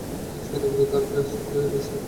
সে ইতিমধ্যেই তার সাথে সেট।